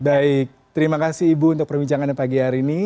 baik terima kasih ibu untuk perbincangannya pagi hari ini